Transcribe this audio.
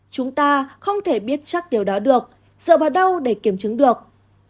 chúng ta không thể biết chắc điều đó được dựa vào đâu để kiểm chứng được